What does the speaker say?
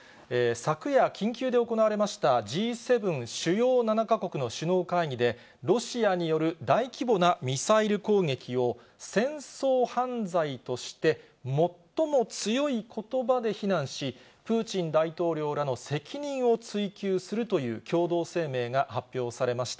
昨夜、緊急で行われましたＧ７・主要７か国の首脳会議で、ロシアによる大規模なミサイル攻撃を、戦争犯罪として最も強いことばで非難し、プーチン大統領らの責任を追及するという共同声明が発表されまし